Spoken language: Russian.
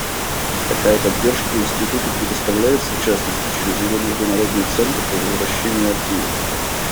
Такая поддержка Институту предоставляется, в частности, через его Международный центр по возвращению активов.